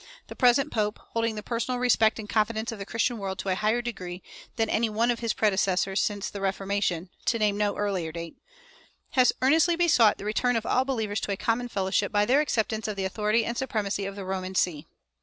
The present pope, holding the personal respect and confidence of the Christian world to a higher degree than any one of his predecessors since the Reformation (to name no earlier date), has earnestly besought the return of all believers to a common fellowship by their acceptance of the authority and supremacy of the Roman see.